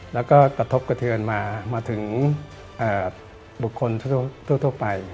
แล้วก็กระทบกระเทือนมาถึงบุคคลทั่วไป